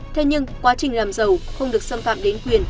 thế nhưng quá trình làm giàu không được xâm phạm đến quyền